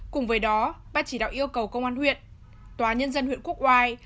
cùng với đó ban chỉ đạo yêu cầu công an huyện tòa nhân dân huyện quốc oai